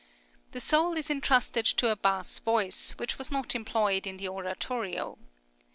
The Soul is intrusted to a bass voice, which was not employed in the oratorio.